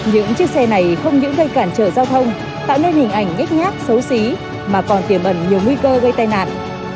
những chiếc xe này không những gây cản trở giao thông tạo nên hình ảnh nhét nhát xấu xí mà còn tiềm bẩn nhiều nguy cơ gây tai nạn